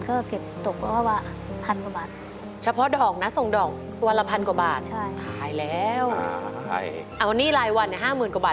ที่จริงมันมีเยอะแต่หนี้รายวันก็ประมาณห้าหมื่นกว่าบาท